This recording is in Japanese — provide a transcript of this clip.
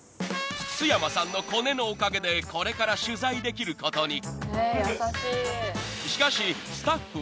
［須山さんのコネのおかげでこれから取材できることに］